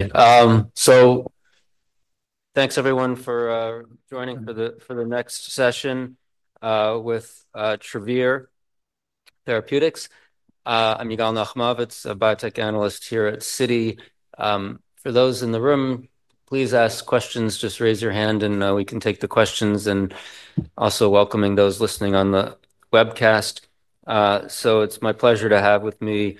Thanks everyone for joining for the next session with Travere Therapeutics. I'm Ygal Nachmovitz, a biotech analyst here at Citi. For those in the room, please ask questions, just raise your hand and we can take the questions. Also welcoming those listening on the webcast. It's my pleasure to have with me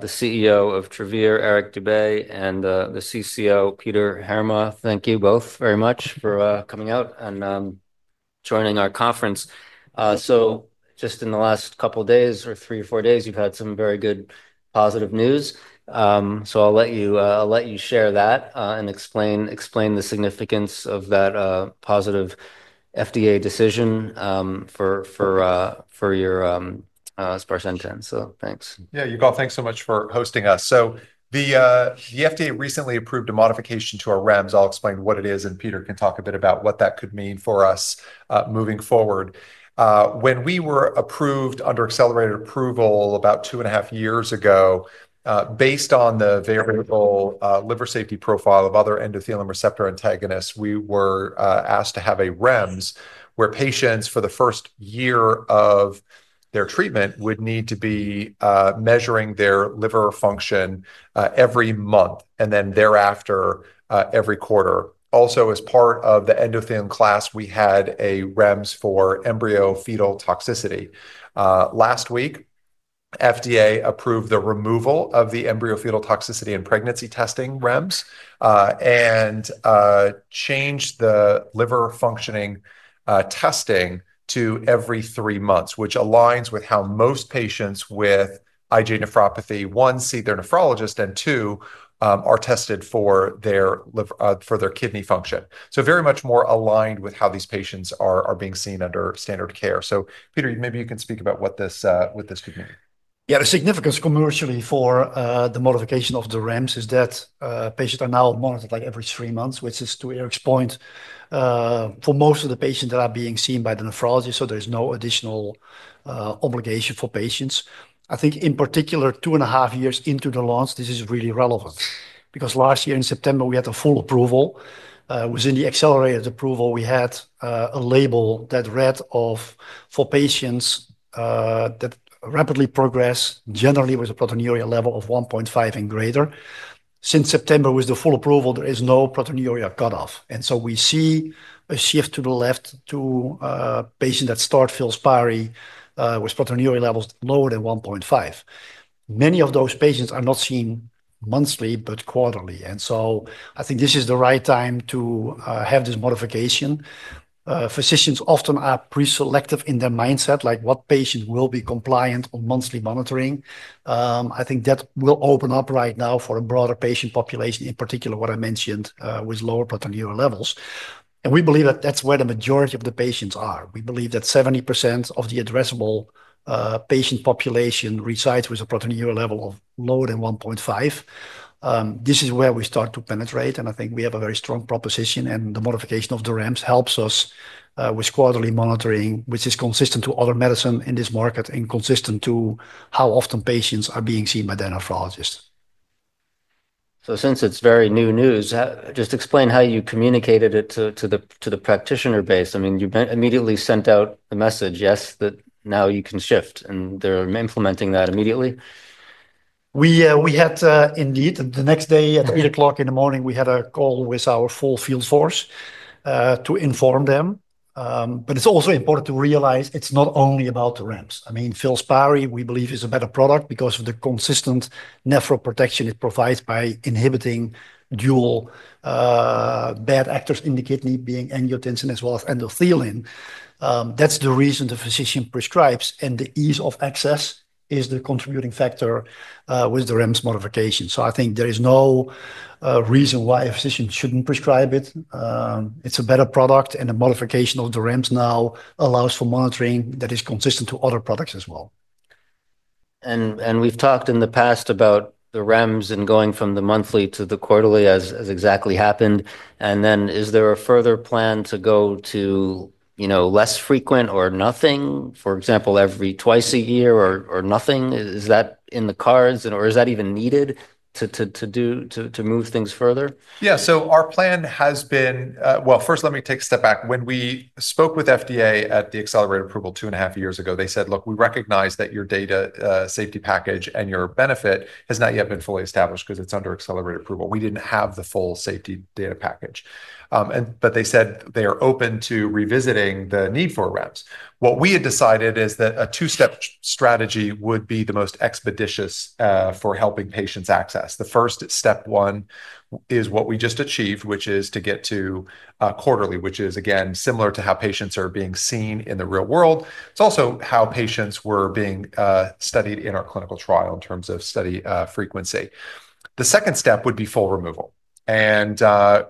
the CEO of Travere, Eric Dube, and the CCO, Peter Heerma. Thank you both very much for coming out and joining our conference. In the last couple of days or three or four days, you've had some very good positive news. I'll let you share that and explain the significance of that positive FDA decision for your sparsentan. Thanks. Yeah, Ygal, thanks so much for hosting us. The FDA recently approved a modification to our REMS. I'll explain what it is and Peter can talk a bit about what that could mean for us moving forward. When we were approved under accelerated approval about two and a half years ago, based on the variable liver safety profile of other endothelial receptor antagonists, we were asked to have a REMS where patients for the first year of their treatment would need to be measuring their liver function every month and then thereafter every quarter. Also, as part of the endothelium class, we had a REMS for embryo-fetal toxicity. Last week, FDA approved the removal of the embryo-fetal toxicity and pregnancy testing REMS and changed the liver functioning testing to every three months, which aligns with how most patients with IgA nephropathy, one, see their nephrologist and two, are tested for their kidney function. This is very much more aligned with how these patients are being seen under standard care. Peter, maybe you can speak about what this could mean. Yeah, the significance commercially for the modification of the REMS is that patients are now monitored like every three months, which is to Eric's point, for most of the patients that are being seen by the nephrologist. There's no additional obligation for patients. I think in particular, two and a half years into the launch, this is really relevant because last year in September, we had a full approval. Within the accelerated approval, we had a label that read for patients that rapidly progress, generally with a proteinuria level of 1.5 g and greater. Since September, with the full approval, there is no proteinuria cutoff. We see a shift to the left to patients that start FILSPARI with proteinuria levels lower than 1.5 g. Many of those patients are not seen monthly but quarterly. I think this is the right time to have this modification. Physicians often are pre-selective in their mindset, like what patients will be compliant on monthly monitoring. I think that will open up right now for a broader patient population, in particular what I mentioned with lower proteinuria levels. We believe that that's where the majority of the patients are. We believe that 70% of the addressable patient population resides with a proteinuria level of lower than 1.5 g. This is where we start to penetrate. I think we have a very strong proposition and the modification of the REMS helps us with quarterly monitoring, which is consistent to other medicine in this market and consistent to how often patients are being seen by their nephrologist. Since it's very new news, just explain how you communicated it to the practitioner base. I mean, you immediately sent out a message, yes, that now you can shift and they're implementing that immediately. We had indeed the next day at 3:00 A.M., we had a call with our full field force to inform them. It's also important to realize it's not only about the REMS. I mean, FILSPARI we believe is a better product because of the consistent nephro protection it provides by inhibiting dual bad actors in the kidney, being angiotensin as well as endothelin. That's the reason the physician prescribes and the ease of access is the contributing factor with the REMS modification. I think there is no reason why a physician shouldn't prescribe it. It's a better product and the modification of the REMS now allows for monitoring that is consistent to other products as well. We've talked in the past about the REMS and going from the monthly to the quarterly as exactly happened. Is there a further plan to go to less frequent or nothing? For example, every twice a year or nothing? Is that in the cards or is that even needed to move things further? Yeah, so our plan has been, first let me take a step back. When we spoke with the FDA at the accelerated approval two and a half years ago, they said, "Look, we recognize that your data safety package and your benefit has not yet been fully established because it's under accelerated approval." We didn't have the full safety data package. They said they are open to revisiting the need for REMS. What we had decided is that a two-step strategy would be the most expeditious for helping patients access. The first step one is what we just achieved, which is to get to quarterly, which is again similar to how patients are being seen in the real world. It's also how patients were being studied in our clinical trial in terms of study frequency. The second step would be full removal.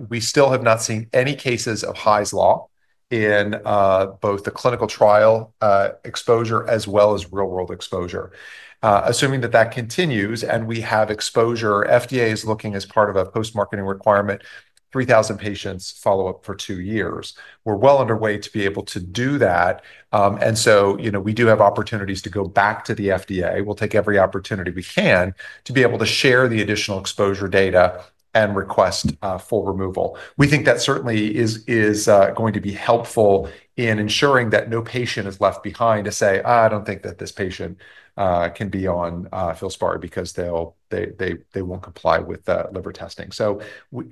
We still have not seen any cases of HAIs law in both the clinical trial exposure as well as real-world exposure. Assuming that that continues and we have exposure, the FDA is looking as part of a post-marketing requirement, 3,000 patients follow up for two years. We're well underway to be able to do that. We do have opportunities to go back to the FDA. We'll take every opportunity we can to be able to share the additional exposure data and request full removal. We think that certainly is going to be helpful in ensuring that no patient is left behind to say, "I don't think that this patient can be on FILSPARI because they won't comply with liver testing."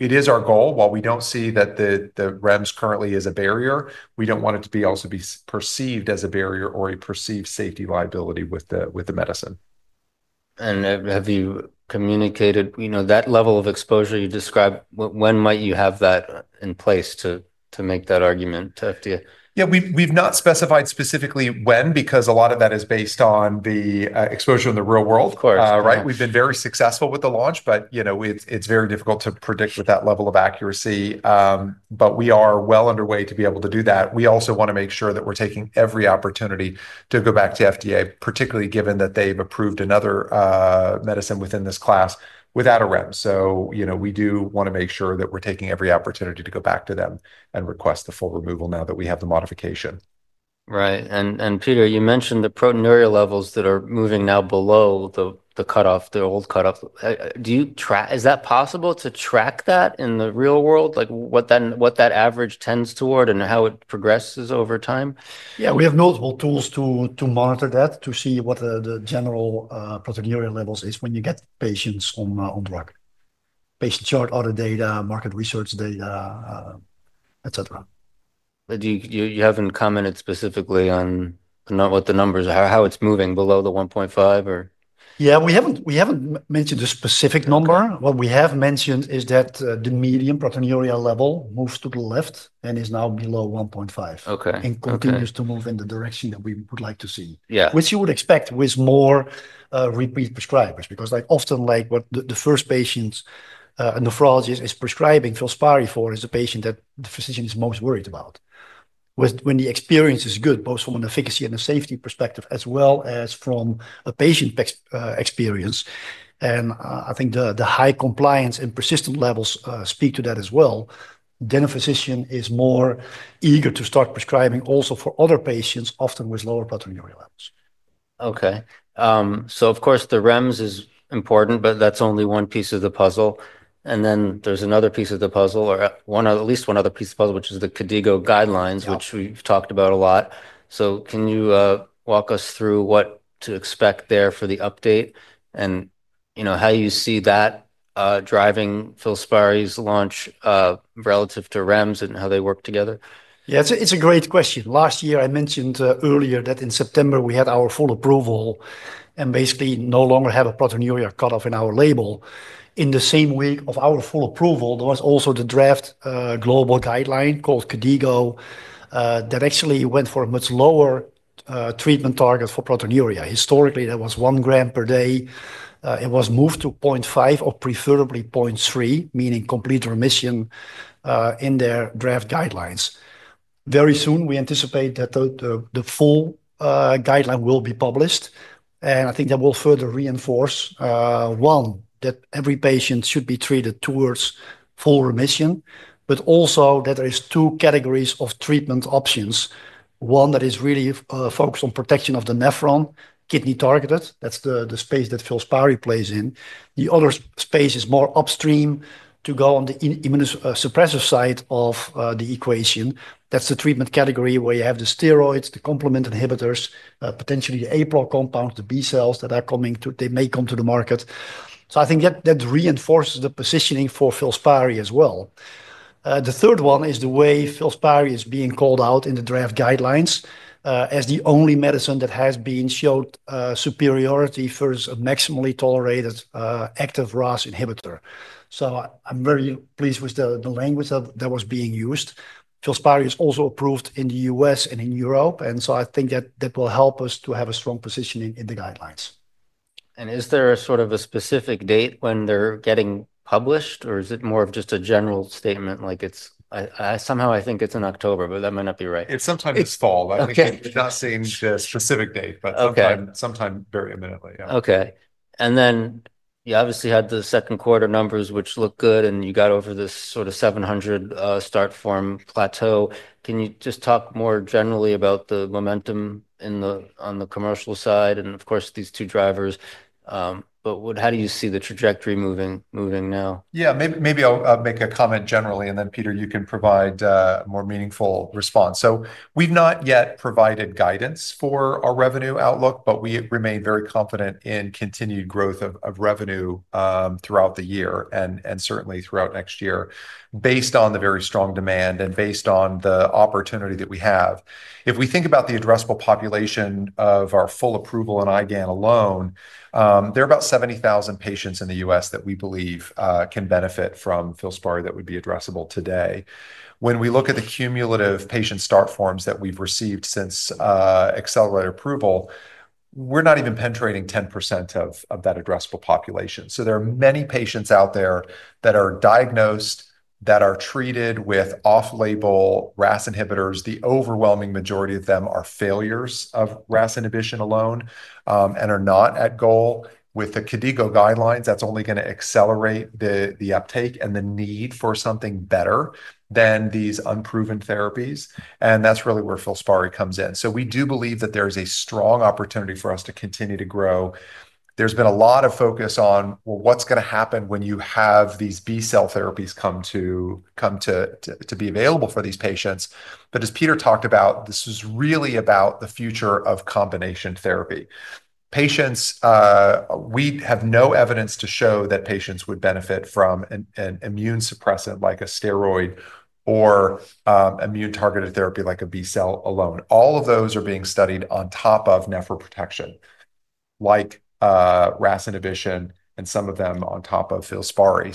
It is our goal. While we don't see that the REMS currently is a barrier, we don't want it to also be perceived as a barrier or a perceived safety liability with the medicine. Have you communicated that level of exposure you described? When might you have that in place to make that argument to the FDA? Yeah, we've not specified specifically when because a lot of that is based on the exposure in the real world. We've been very successful with the launch, but it's very difficult to predict with that level of accuracy. We are well underway to be able to do that. We also want to make sure that we're taking every opportunity to go back to the FDA, particularly given that they've approved another medicine within this class without a REMS. We do want to make sure that we're taking every opportunity to go back to them and request the full removal now that we have the modification. Right. Peter, you mentioned the proteinuria levels that are moving now below the cutoff, the old cutoff. Do you track, is that possible to track that in the real world, like what that average tends toward and how it progresses over time? Yeah, we have multiple tools to monitor that, to see what the general proteinuria levels are when you get patients on the market. Patient chart, other data, market research data, etc. You haven't commented specifically on what the numbers are, how it's moving below the 1.5 g or? Yeah, we haven't mentioned a specific number. What we have mentioned is that the median proteinuria level moves to the left and is now below 1.5 g. Okay. It continues to move in the direction that we would like to see. Yeah. Which you would expect with more repeat prescribers because often the first patient a nephrologist is prescribing FILSPARI for is a patient that the physician is most worried about. When the experience is good, both from an efficacy and a safety perspective as well as from a patient experience, I think the high compliance and persistent levels speak to that as well. A physician is more eager to start prescribing also for other patients often with lower proteinuria levels. Okay. Of course, the REMS is important, but that's only one piece of the puzzle. There's another piece of the puzzle, or at least one other piece of the puzzle, which is the KDIGO guidelines, which we've talked about a lot. Can you walk us through what to expect there for the update and you know how you see that driving FILSPARI launch relative to REMS and how they work together? Yeah, it's a great question. Last year, I mentioned earlier that in September we had our full approval and basically no longer had a proteinuria cutoff in our label. In the same week of our full approval, there was also the draft global guideline called KDIGO that actually went for a much lower treatment target for proteinuria. Historically, that was 1 g per day. It was moved to 0.5 g or preferably 0.3 g, meaning complete remission in their draft guidelines. Very soon, we anticipate that the full guideline will be published. I think that will further reinforce one that every patient should be treated towards full remission, but also that there are two categories of treatment options. One that is really focused on protection of the nephron, kidney targeted. That's the space that FILSPARI plays in. The other space is more upstream to go on the immunosuppressive side of the equation. That's the treatment category where you have the steroids, the complement inhibitors, potentially the APOC compounds, the B cells that are coming too, they may come to the market. I think that reinforces the positioning for FILSPARI as well. The third one is the way FILSPARI is being called out in the draft guidelines as the only medicine that has been showed superiority for a maximally tolerated active RAS inhibitor. I'm very pleased with the language that was being used. FILSPARI is also approved in the U.S. and in Europe. I think that that will help us to have a strong position in the guidelines. Is there a specific date when they're getting published, or is it more of just a general statement like, I think it's in October, but that might not be right. It's sometime this fall. I think we're not saying the specific date, but sometime very imminently, yeah. Okay. You obviously had the second quarter numbers, which look good, and you got over this sort of 700 start form plateau. Can you just talk more generally about the momentum on the commercial side, and of course these two drivers, but how do you see the trajectory moving now? Yeah, maybe I'll make a comment generally and then Peter, you can provide a more meaningful response. We've not yet provided guidance for our revenue outlook, but we remain very confident in continued growth of revenue throughout the year and certainly throughout next year based on the very strong demand and based on the opportunity that we have. If we think about the addressable population of our full approval in IgAN alone, there are about 70,000 patients in the U.S. that we believe can benefit from FILSPARI that would be addressable today. When we look at the cumulative patient start forms that we've received since accelerated approval, we're not even penetrating 10% of that addressable population. There are many patients out there that are diagnosed, that are treated with off-label RAS inhibitors. The overwhelming majority of them are failures of RAS inhibition alone and are not at goal. With the KDIGO guidelines, that's only going to accelerate the uptake and the need for something better than these unproven therapies. That's really where FILSPARI comes in. We do believe that there's a strong opportunity for us to continue to grow. There's been a lot of focus on what's going to happen when you have these B-cell therapies come to be available for these patients. As Peter talked about, this is really about the future of combination therapy. We have no evidence to show that patients would benefit from an immune suppressant like a steroid or immune targeted therapy like a B-cell alone. All of those are being studied on top of nephro protection, like RAS inhibition and some of them on top of FILSPARI.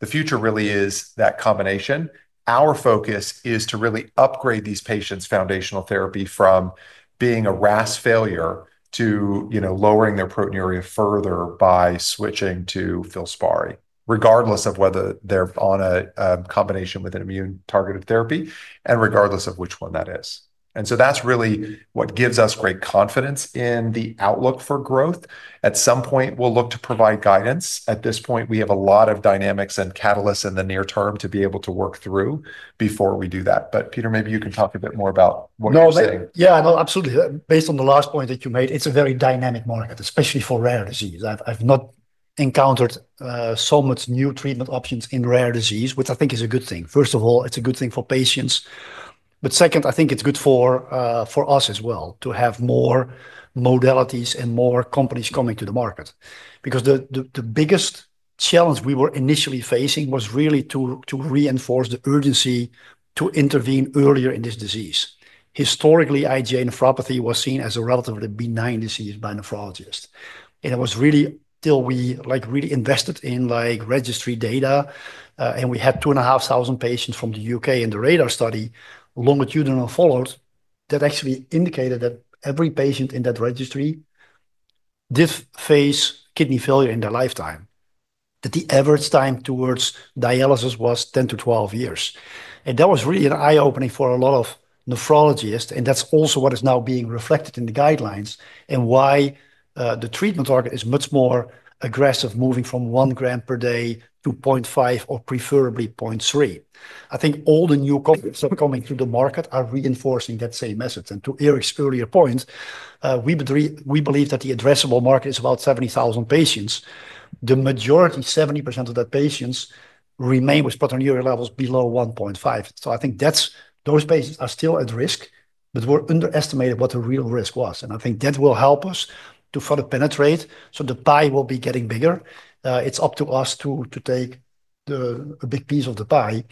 The future really is that combination. Our focus is to really upgrade these patients' foundational therapy from being a RAS failure to lowering their proteinuria further by switching to FILSPARI, regardless of whether they're on a combination with an immune targeted therapy and regardless of which one that is. That's really what gives us great confidence in the outlook for growth. At some point, we'll look to provide guidance. At this point, we have a lot of dynamics and catalysts in the near term to be able to work through before we do that. Peter, maybe you can talk a bit more about what you're seeing. Yeah, I know absolutely. Based on the last point that you made, it's a very dynamic market, especially for rare disease. I've not encountered so much new treatment options in rare disease, which I think is a good thing. First of all, it's a good thing for patients. Second, I think it's good for us as well to have more modalities and more companies coming to the market. The biggest challenge we were initially facing was really to reinforce the urgency to intervene earlier in this disease. Historically, IgA nephropathy was seen as a relatively benign disease by nephrologists. It was really till we really invested in registry data, and we had 2,500 patients from the UK in the RaDaR study, longitudinal follow-ups that actually indicated that every patient in that registry did face kidney failure in their lifetime. The average time towards dialysis was 10- 12 years. That was really an eye-opener for a lot of nephrologists. That's also what is now being reflected in the guidelines and why the treatment target is much more aggressive, moving from 1 g per day to 0.5 g or preferably 0.3 g. I think all the new companies that are coming to the market are reinforcing that same message. To Eric's earlier point, we believe that the addressable market is about 70,000 patients. The majority, 70% of those patients, remain with proteinuria levels below 1.5 g. I think those patients are still at risk, but we're underestimating what the real risk was. I think that will help us to further penetrate so the pie will be getting bigger. It's up to us to take a big piece of the pie.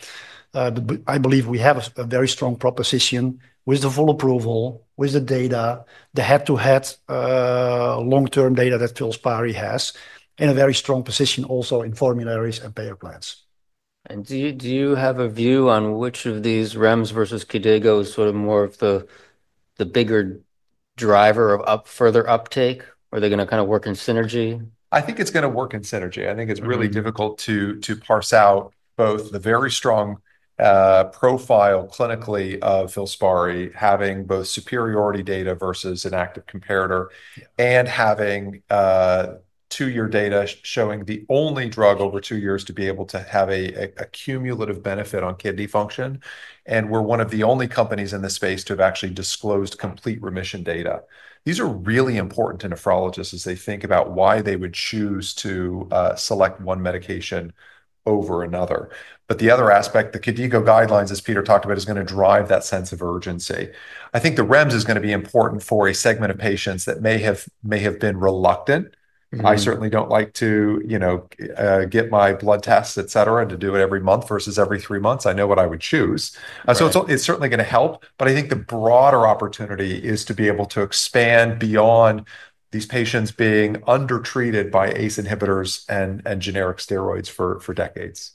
I believe we have a very strong proposition with the full approval, with the data, the head-to-head long-term data that FILSPARI has in a very strong position also in formularies and payer plans. Do you have a view on which of these REMS versus KDIGO is sort of more of the bigger driver of further uptake? Are they going to kind of work in synergy? I think it's going to work in synergy. I think it's really difficult to parse out both the very strong profile clinically of FILSPARI, having both superiority data versus an active comparator and having two-year data showing the only drug over two years to be able to have a cumulative benefit on kidney function. We're one of the only companies in this space to have actually disclosed complete remission data. These are really important to nephrologists as they think about why they would choose to select one medication over another. The other aspect, the KDIGO guidelines, as Peter talked about, is going to drive that sense of urgency. I think the REMS is going to be important for a segment of patients that may have been reluctant. I certainly don't like to, you know, get my blood tests, etc., and to do it every month versus every three months. I know what I would choose. It's certainly going to help. I think the broader opportunity is to be able to expand beyond these patients being undertreated by ACE inhibitors and generic steroids for decades.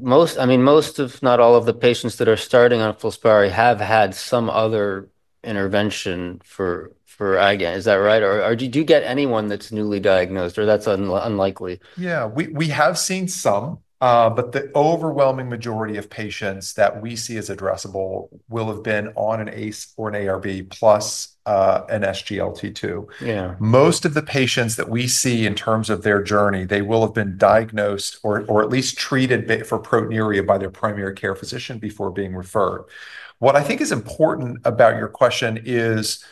Most, I mean, most if not all of the patients that are starting on FILSPARI have had some other intervention for IgAN . Is that right? Or did you get anyone that's newly diagnosed or that's unlikely? Yeah, we have seen some, but the overwhelming majority of patients that we see as addressable will have been on an ACE or an ARB plus an SGLT2. Yeah. Most of the patients that we see in terms of their journey, they will have been diagnosed or at least treated for proteinuria by their primary care physician before being referred. What I think is important about your question is,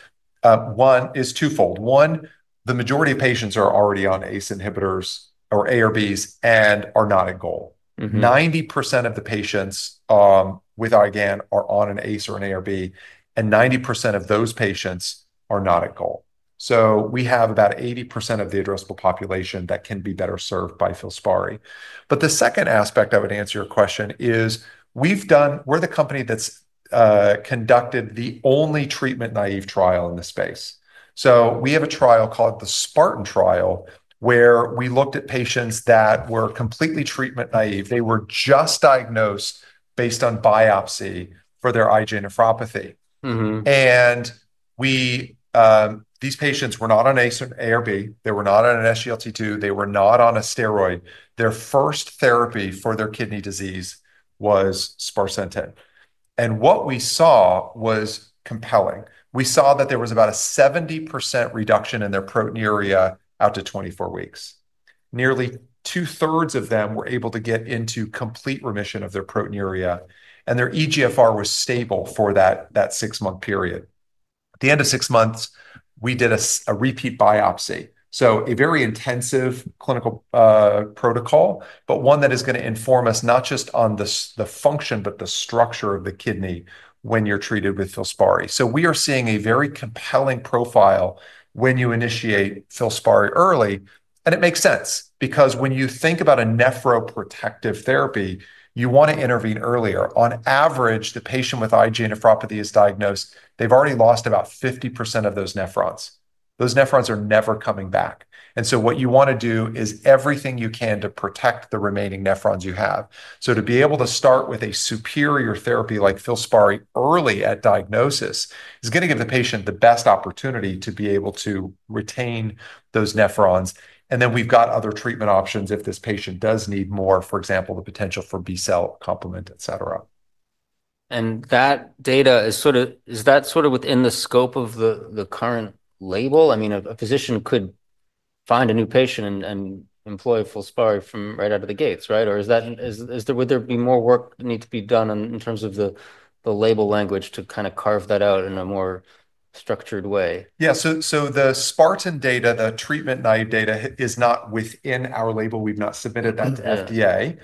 one, is twofold. One, the majority of patients are already on ACE inhibitors or ARBs and are not at goal. 90% of the patients with IgAN are on an ACE or an ARB, and 90% of those patients are not at goal. We have about 80% of the addressable population that can be better served by FILSPARI. The second aspect I would answer your question is, we're the company that's conducted the only treatment-naive trial in the space. We have a trial called the SPARTAN trial where we looked at patients that were completely treatment-naive. They were just diagnosed based on biopsy for their IgA nephropathy. Mm-hmm. These patients were not on ACE or ARB. They were not on an SGLT2. They were not on a steroid. Their first therapy for their kidney disease was sparsentan. What we saw was compelling. We saw that there was about a 70% reduction in their proteinuria out to 24 weeks. Nearly two-thirds of them were able to get into complete remission of their proteinuria, and their eGFR was stable for that six-month period. At the end of six months, we did a repeat biopsy. A very intensive clinical protocol, but one that is going to inform us not just on the function but the structure of the kidney when you're treated with FILSPARI. We are seeing a very compelling profile when you initiate FILSPARI early, and it makes sense because when you think about a nephroprotective therapy, you want to intervene earlier. On average, the patient with IgA nephropathy is diagnosed, they've already lost about 50% of those nephrons. Those nephrons are never coming back. What you want to do is everything you can to protect the remaining nephrons you have. To be able to start with a superior therapy like FILSPARI early at diagnosis is going to give the patient the best opportunity to be able to retain those nephrons. We have other treatment options if this patient does need more, for example, the potential for B-cell complement, etc. Is that sort of within the scope of the current label? I mean, a physician could find a new patient and employ FILSPARI from right out of the gates, right? Would there be more work that needs to be done in terms of the label language to kind of carve that out in a more structured way? Yeah, so the SPARTAN data, the treatment-naive data is not within our label. We've not submitted that to the FDA.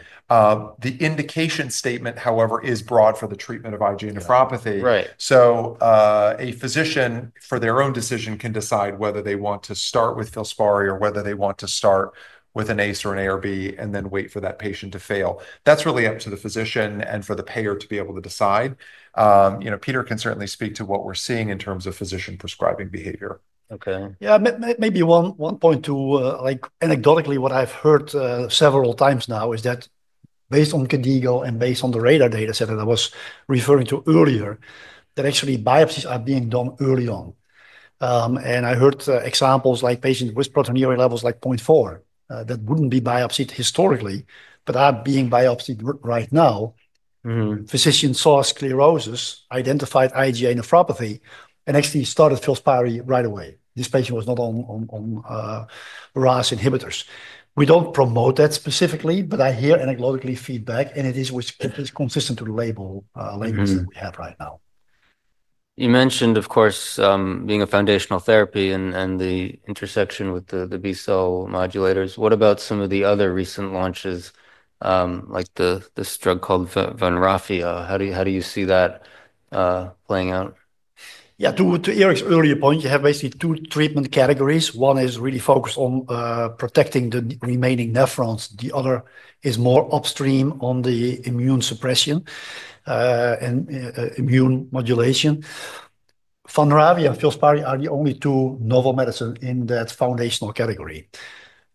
The indication statement, however, is broad for the treatment of IgA nephropathy. Right. A physician for their own decision can decide whether they want to start with FILSPARI or whether they want to start with an ACE or an ARB and then wait for that patient to fail. That's really up to the physician and for the payer to be able to decide. You know, Peter can certainly speak to what we're seeing in terms of physician prescribing behavior. Okay. Yeah, maybe one point too, like anecdotally what I've heard several times now is that based on KDIGO and based on the RaDaR data set that I was referring to earlier, actually biopsies are being done early on. I heard examples like patients with proteinuria levels like 0.4 g that wouldn't be biopsied historically, but are being biopsied right now. Physicians saw sclerosis, identified IgA nephropathy, and actually started FILSPARI right away. This patient was not on RAS inhibitors. We don't promote that specifically, but I hear anecdotally feedback, and it is consistent to the label that we have right now. You mentioned, of course, being a foundational therapy and the intersection with the B-cell modulators. What about some of the other recent launches like this drug called Vanrafia? How do you see that playing out? Yeah, to Eric's earlier point, you have basically two treatment categories. One is really focused on protecting the remaining nephrons. The other is more upstream on the immune suppression and immune modulation. Vanrafia and FILSPARI are the only two novel medicines in that foundational category.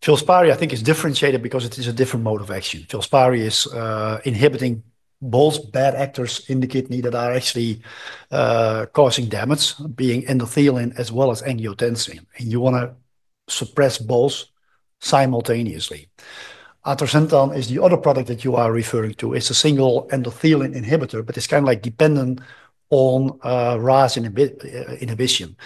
FILSPARI, I think, is differentiated because it is a different mode of action. FILSPARI is inhibiting both bad actors in the kidney that are actually causing damage, being endothelin as well as angiotensin. You want to suppress both simultaneously. Atrasentan is the other product that you are referring to. It's a single endothelin inhibitor, but it's kind of like dependent on RAS inhibition.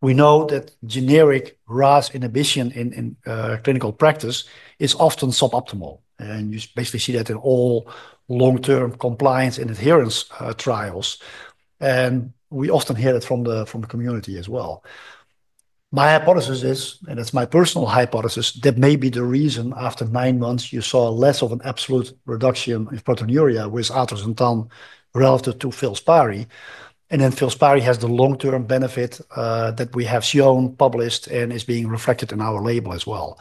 We know that generic RAS inhibition in clinical practice is often suboptimal. You basically see that in all long-term compliance and adherence trials. We often hear that from the community as well. My hypothesis is, and it's my personal hypothesis, that may be the reason after nine months you saw less of an absolute reduction in proteinuria with atrasentan relative to FILSPARI. FILSPARI has the long-term benefit that we have shown, published, and is being reflected in our label as well.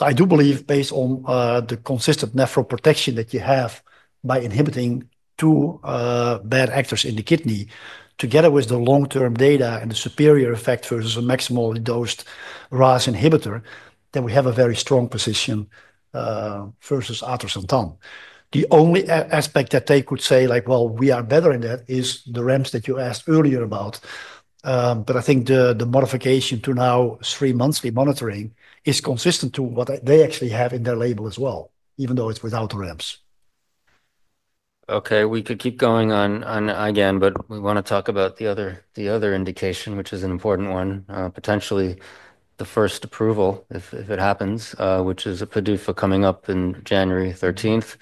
I do believe based on the consistent nephro protection that you have by inhibiting two bad actors in the kidney, together with the long-term data and the superior effect versus a maximally dosed RAS inhibitor, that we have a very strong position versus atrasentan. The only aspect that they could say like, we are better in that is the REMS that you asked earlier about. I think the modification to now three months monitoring is consistent to what they actually have in their label as well, even though it's without the REMS. Okay, we could keep going on IgAN, but we want to talk about the other indication, which is an important one, potentially the first approval if it happens, which is at Purdue for coming up in January 13th.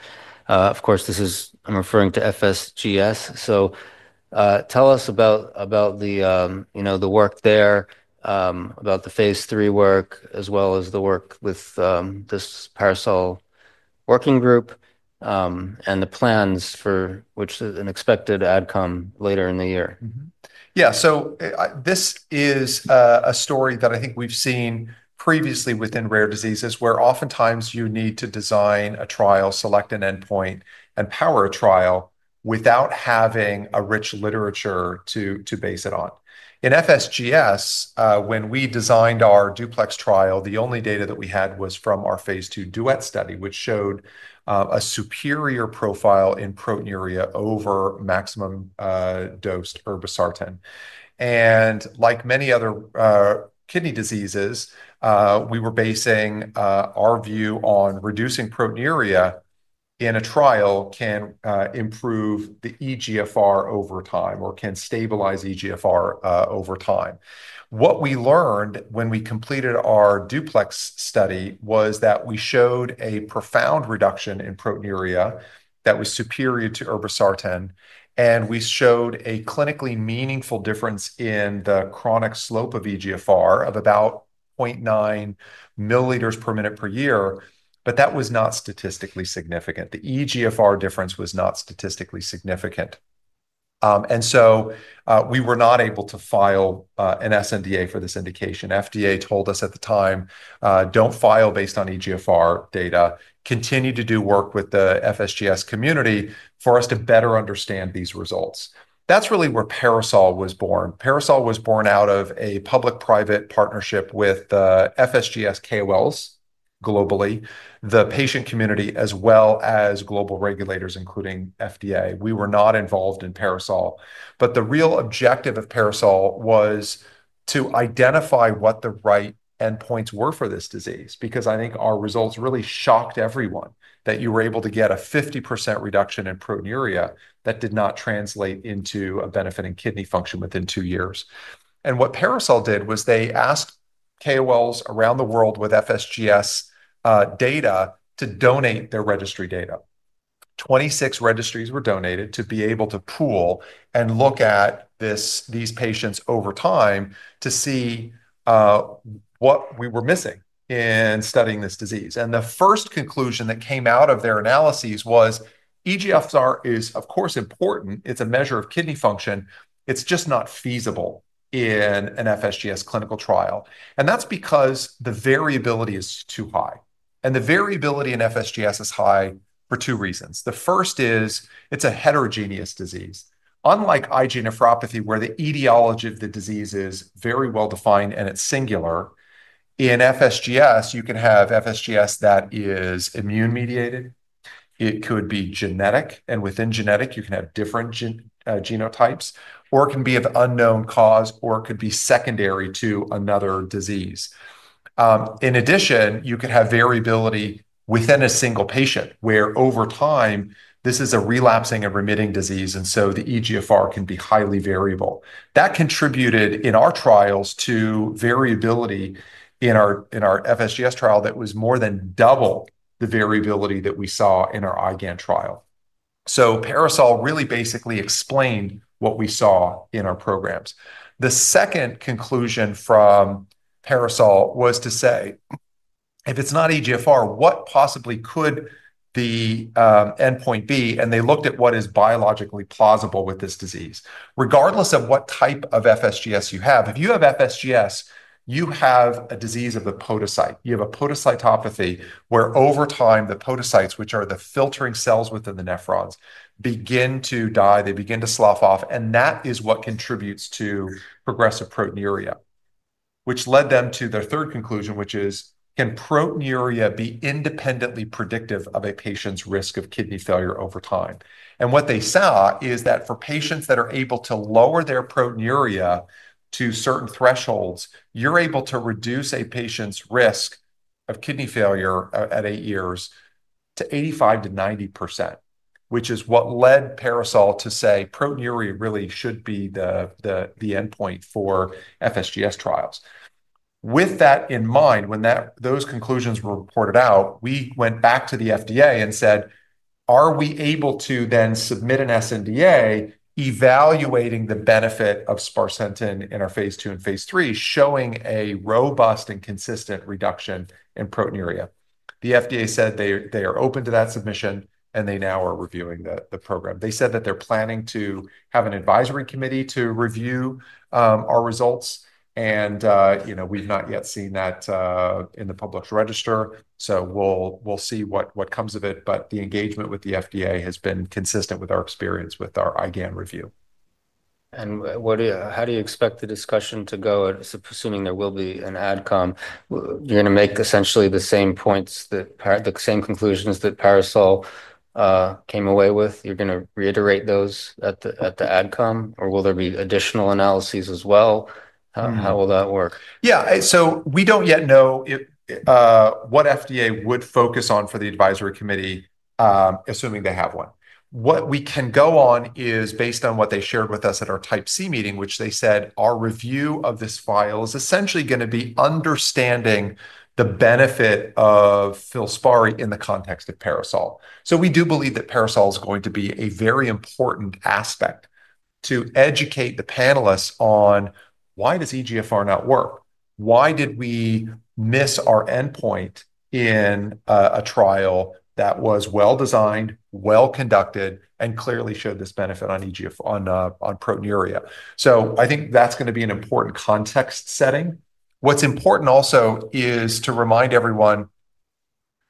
Of course, this is, I'm referring to FSGS. Tell us about the work there, about the phase III work, as well as the work with this PARASOL working group and the plans for which an expected ad come later in the year. Yeah, so this is a story that I think we've seen previously within rare diseases where oftentimes you need to design a trial, select an endpoint, and power a trial without having a rich literature to base it on. In FSGS, when we designed our DUPLEX trial, the only data that we had was from our phase II DUET study, which showed a superior profile in proteinuria over maximum dosed irbesartan. Like many other kidney diseases, we were basing our view on reducing proteinuria in a trial can improve the eGFR over time or can stabilize eGFR over time. What we learned when we completed our DUPLEX study was that we showed a profound reduction in proteinuria that was superior to irbesartan, and we showed a clinically meaningful difference in the chronic slope of eGFR of about 0.9 mL per minute per year, but that was not statistically significant. The eGFR difference was not statistically significant. We were not able to file an sNDA for this indication. FDA told us at the time, don't file based on eGFR data, continue to do work with the FSGS community for us to better understand these results. That's really where the PARASOL initiative was born. PARASOL was born out of a public-private partnership with the FSGS KOLs globally, the patient community, as well as global regulators, including FDA. We were not involved in PARASOL, but the real objective of PARASOL was to identify what the right endpoints were for this disease because I think our results really shocked everyone that you were able to get a 50% reduction in proteinuria that did not translate into a benefit in kidney function within two years. What PARASOL did was they asked KOLs around the world with FSGS data to donate their registry data. 26 registries were donated to be able to pool and look at these patients over time to see what we were missing in studying this disease. The first conclusion that came out of their analyses was eGFR is, of course, important. It's a measure of kidney function. It's just not feasible in an FSGS clinical trial. That's because the variability is too high. The variability in FSGS is high for two reasons. The first is it's a heterogeneous disease. Unlike IgA nephropathy, where the etiology of the disease is very well defined and it's singular, in FSGS, you can have FSGS that is immune mediated. It could be genetic, and within genetic, you can have different genotypes, or it can be of unknown cause, or it could be secondary to another disease. In addition, you could have variability within a single patient, where over time, this is a relapsing and remitting disease, and so the eGFR can be highly variable. That contributed in our trials to variability in our FSGS trial that was more than double the variability that we saw in our IgAN trial. The PARASOL initiative really basically explained what we saw in our programs. The second conclusion from the PARASOL initiative was to say, if it's not eGFR, what possibly could the endpoint be? They looked at what is biologically plausible with this disease. Regardless of what type of FSGS you have, if you have FSGS, you have a disease of the podocyte. You have a podocytopathy where over time, the podocytes, which are the filtering cells within the nephrons, begin to die. They begin to slough off, and that is what contributes to progressive proteinuria, which led them to their third conclusion, which is, can proteinuria be independently predictive of a patient's risk of kidney failure over time? What they saw is that for patients that are able to lower their proteinuria to certain thresholds, you're able to reduce a patient's risk of kidney failure at eight years to 85% to 90%, which is what led the PARASOL initiative to say proteinuria really should be the endpoint for FSGS trials. With that in mind, when those conclusions were reported out, we went back to the FDA and said, are we able to then submit an sNDA evaluating the benefit of sparsentan in our phase II and phase III, showing a robust and consistent reduction in proteinuria? The FDA said they are open to that submission, and they now are reviewing the program. They said that they're planning to have an advisory committee to review our results, and we've not yet seen that in the published register, so we'll see what comes of it, but the engagement with the FDA has been consistent with our experience with our IgAN review. How do you expect the discussion to go, assuming there will be an AdCom? You're going to make essentially the same points, the same conclusions that the PARASOL initiative came away with? You're going to reiterate those at the AdCom, or will there be additional analyses as well? How will that work? Yeah, so we don't yet know what FDA would focus on for the advisory committee, assuming they have one. What we can go on is based on what they shared with us at our type C meeting, which they said our review of this file is essentially going to be understanding the benefit of proteinuria in the context of the PARASOL initiative. We do believe that PARASOL is going to be a very important aspect to educate the panelists on why does eGFR not work, why did we miss our endpoint in a trial that was well designed, well conducted, and clearly showed this benefit on proteinuria. I think that's going to be an important context setting. What's important also is to remind everyone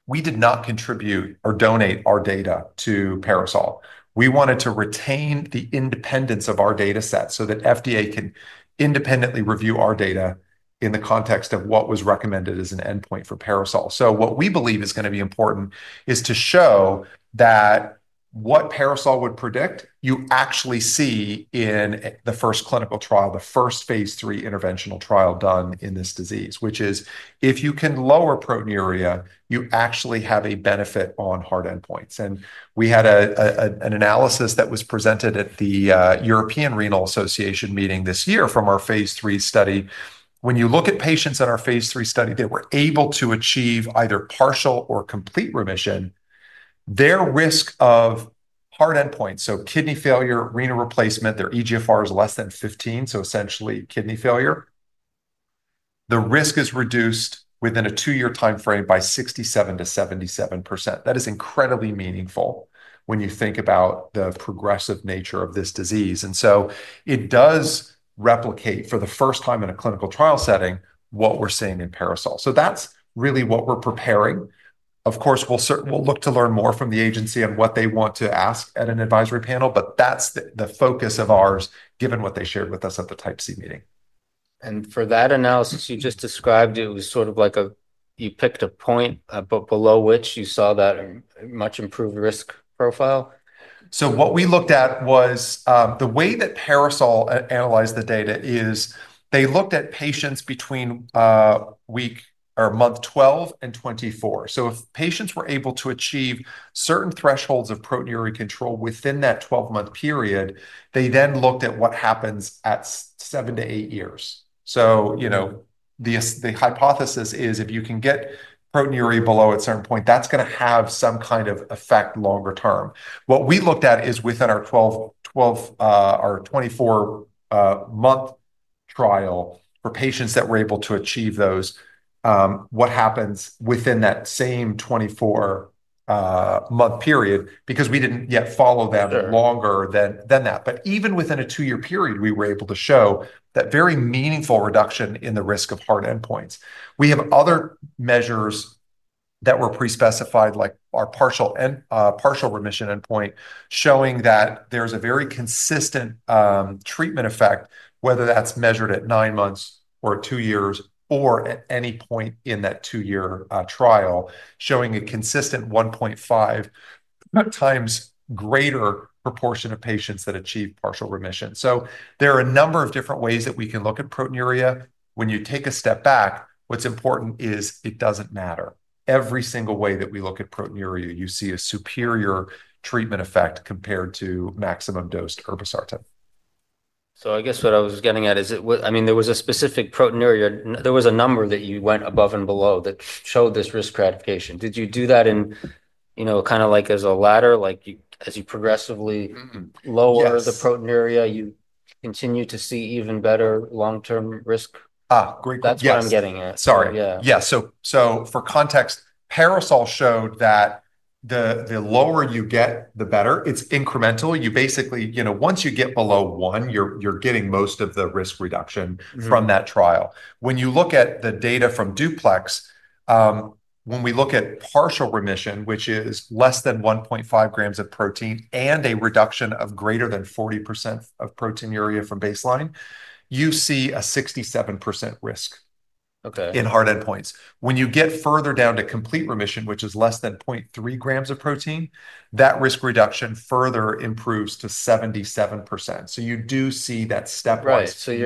we did not contribute or donate our data to PARASOL. We wanted to retain the independence of our data set so that FDA can independently review our data in the context of what was recommended as an endpoint for PARASOL. What we believe is going to be important is to show that what PARASOL would predict you actually see in the first clinical trial, the first phase III interventional trial done in this disease, which is if you can lower proteinuria, you actually have a benefit on hard endpoints. We had an analysis that was presented at the European Renal Association meeting this year from our phase III study. When you look at patients in our phase III study, they were able to achieve either partial or complete remission. Their risk of hard endpoints, so kidney failure, renal replacement, their eGFR is less than 15 mL per minute, so essentially kidney failure. The risk is reduced within a two-year timeframe by 67%- 77%. That is incredibly meaningful when you think about the progressive nature of this disease. It does replicate for the first time in a clinical trial setting what we're seeing in PARASOL. That's really what we're preparing. Of course, we'll look to learn more from the agency on what they want to ask at an advisory panel, but that's the focus of ours given what they shared with us at the type C meeting. For that analysis you just described, it was sort of like you picked a point, but below which you saw that much improved risk profile. What we looked at was the way that the PARASOL initiative analyzed the data is they looked at patients between week or month 12 and 24. If patients were able to achieve certain thresholds of proteinuria control within that 12-month period, they then looked at what happens at seven to eight years. The hypothesis is if you can get proteinuria below a certain point, that's going to have some kind of effect longer term. What we looked at is within our 12 or 24-month trial for patients that were able to achieve those, what happens within that same 24-month period because we didn't yet follow them longer than that. Even within a two-year period, we were able to show that very meaningful reduction in the risk of hard endpoints. We have other measures that were pre-specified like our partial remission endpoint showing that there's a very consistent treatment effect, whether that's measured at nine months or two years or at any point in that two-year trial, showing a consistent 1.5 times greater proportion of patients that achieve partial remission. There are a number of different ways that we can look at proteinuria. When you take a step back, what's important is it doesn't matter. Every single way that we look at proteinuria, you see a superior treatment effect compared to maximally tolerated RAS inhibition. I guess what I was getting at is, I mean, there was a specific proteinuria, there was a number that you went above and below that showed this risk stratification. Did you do that in, you know, kind of like as a ladder, like as you progressively lower the proteinuria, you continue to see even better long-term risk? great question. That's what I'm getting at. Yeah. For context, the PARASOL initiative showed that the lower you get, the better. It's incremental. You basically, you know, once you get below one, you're getting most of the risk reduction from that trial. When you look at the data from DUPLEX, when we look at partial remission, which is less than 1.5 g of protein and a reduction of greater than 40% of proteinuria from baseline, you see a 67% risk. Okay. In hard endpoints, when you get further down to complete remission, which is less than 0.3 g of protein, that risk reduction further improves to 77%. You do see that step rise. Right.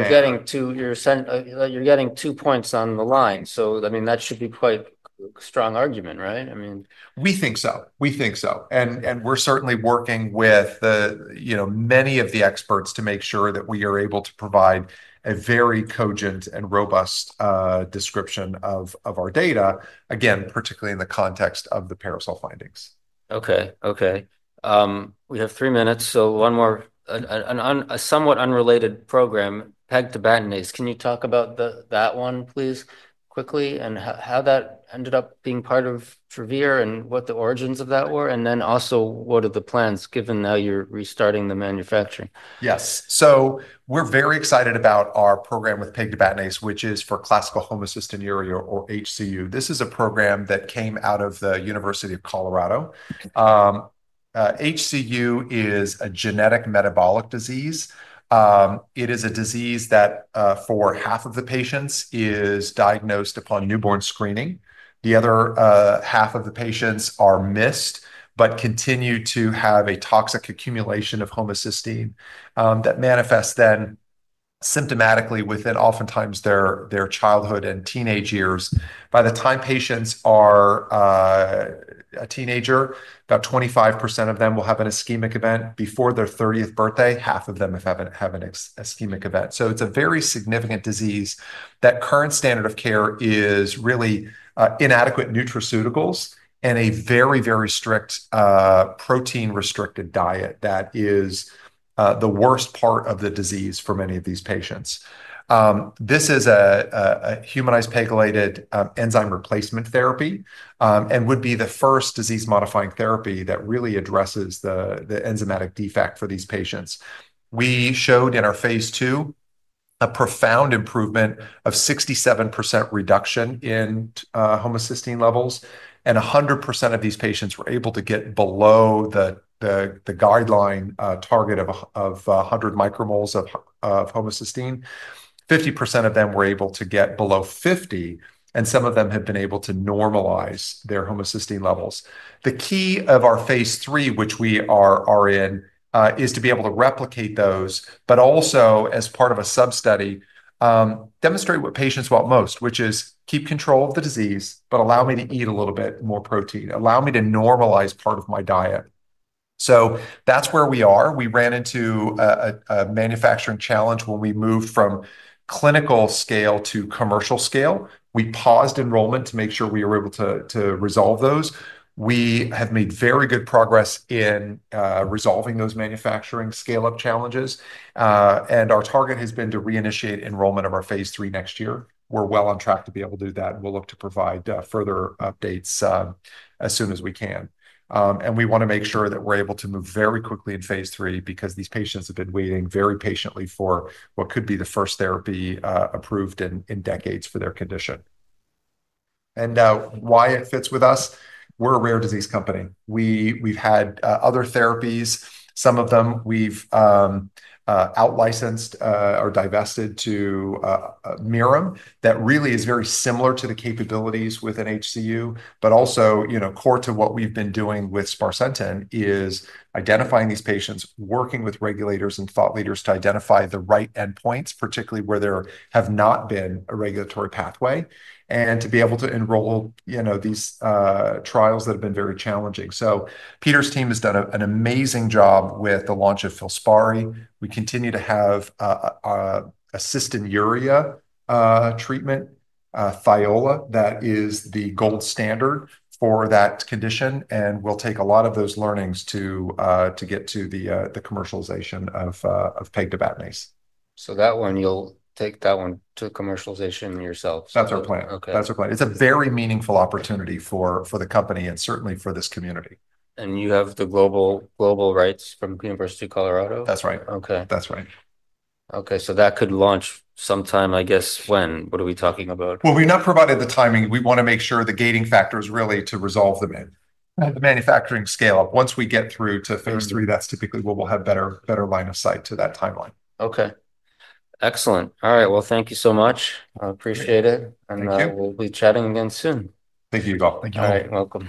You're getting two points on the line. That should be quite a strong argument, right? I mean. We think so. We're certainly working with many of the experts to make sure that we are able to provide a very cogent and robust description of our data, particularly in the context of the PARASOL findings. Okay. Okay. We have three minutes. One more, a somewhat unrelated program, pegtibatinase. Can you talk about that one, please, quickly and how that ended up being part of Travere and what the origins of that were? Also, what are the plans given now you're restarting the manufacturing? Yes. We are very excited about our program with pegtibatinase, which is for classical homocystinuria or HCU. This is a program that came out of the University of Colorado. HCU is a genetic metabolic disease. It is a disease that for half of the patients is diagnosed upon newborn screening. The other half of the patients are missed but continue to have a toxic accumulation of homocysteine that manifests then symptomatically within oftentimes their childhood and teenage years. By the time patients are a teenager, about 25% of them will have an ischemic event. Before their 30th birthday, half of them have an ischemic event. It is a very significant disease. The current standard of care is really inadequate nutraceuticals and a very, very strict protein-restricted diet. That is the worst part of the disease for many of these patients. This is a humanized pegylated enzyme replacement therapy and would be the first disease-modifying therapy that really addresses the enzymatic defect for these patients. We showed in our phase II a profound improvement of 67% reduction in homocysteine levels, and 100% of these patients were able to get below the guideline target of 100 micromoles of homocysteine. 50% of them were able to get below 50, and some of them had been able to normalize their homocysteine levels. The key of our phase III, which we are in, is to be able to replicate those, but also as part of a sub-study, demonstrate what patients want most, which is keep control of the disease, but allow me to eat a little bit more protein. Allow me to normalize part of my diet. That is where we are. We ran into a manufacturing challenge when we moved from clinical scale to commercial scale. We paused enrollment to make sure we were able to resolve those. We have made very good progress in resolving those manufacturing scale-up challenges, and our target has been to reinitiate enrollment of our phase III next year. We are well on track to be able to do that, and we will look to provide further updates as soon as we can. We want to make sure that we are able to move very quickly in phase III because these patients have been waiting very patiently for what could be the first therapy approved in decades for their condition. It fits with us, we are a rare disease company. We've had other therapies, some of them we've out-licensed or divested to Mirum that really is very similar to the capabilities within HCU, but also, you know, core to what we've been doing with sparsentan is identifying these patients, working with regulators and thought leaders to identify the right endpoints, particularly where there have not been a regulatory pathway, and to be able to enroll these trials that have been very challenging. Peter's team has done an amazing job with the launch of FILSPARI. We continue to have a cystinuria treatment, Thiola, that is the gold standard for that condition, and we'll take a lot of those learnings to get to the commercialization of pegtibatinase. You'll take that one to commercialization yourselves. That's our plan. That's our plan. It's a very meaningful opportunity for the company and certainly for this community. Do you have the global rights from the University of Colorado? That's right. Okay. That's right. Okay, that could launch sometime, I guess, when? What are we talking about? We've not provided the timing. We want to make sure the gating factors really to resolve the manufacturing scale up. Once we get through to phase III, that's typically when we'll have better line of sight to that timeline. Okay. Excellent. All right, thank you so much. I appreciate it. We'll be chatting again soon. Thank you, Ygal. Thank you. All right, welcome.